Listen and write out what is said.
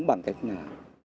câu chuyện khi xưa